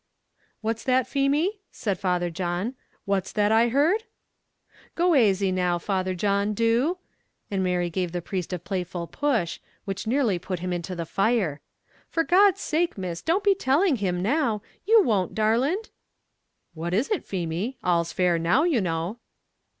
"What's that, Feemy?" said Father John; "what's that I heard?" "Go asy, now, Father John, do;" and Mary gave the priest a playful push, which nearly put him into the fire; "for God's sake, Miss, don't be telling him, now; you won't, darlint?" "What was it, Feemy? all's fair now, you know."